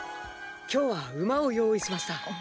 今日は馬を用意しました。